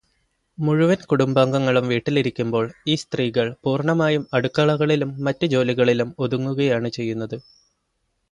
മുഴുവൻ കുടുംബാംഗങ്ങളും വീട്ടിലിരിക്കുമ്പോൾ ഈ സ്ത്രീകൾ പൂർണമായും അടുക്കളകളിലും മറ്റു ജോലികളിലും ഒതുങ്ങുകയാണ് ചെയ്യുന്നത്.